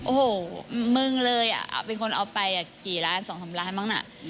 โอ้โฮมึงเลยเป็นคนออกไป๒ล้านบาทนึงน่ะ